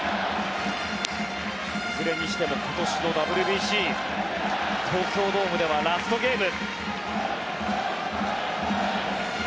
いずれにしても今年のＷＢＣ東京ドームではラストゲーム。